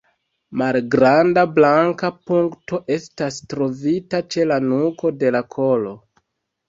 Malgranda blanka punkto estas trovita ĉe la nuko de la kolo.